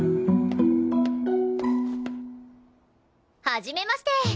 はじめまして！